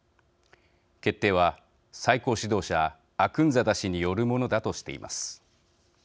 決定は、最高指導者アクンザダ師によるものだとしています。